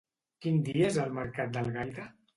Quin dia és el mercat d'Algaida?